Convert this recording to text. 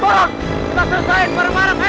bok kita selesaiin bareng bareng hei